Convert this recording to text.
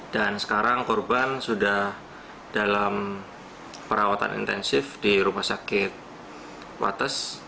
dan sekarang korban sudah dalam perawatan intensif di rumah sakit